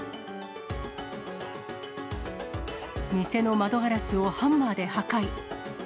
店の窓ガラスをハンマーで破壊。